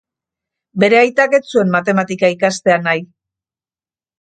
Bere aitak ez zuen matematika ikastea nahi.